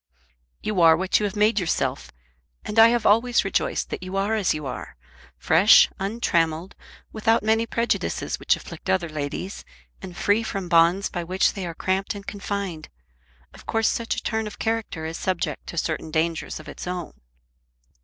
"You are what you have made yourself, and I have always rejoiced that you are as you are, fresh, untrammelled, without many prejudices which afflict other ladies, and free from bonds by which they are cramped and confined. Of course such a turn of character is subject to certain dangers of its own."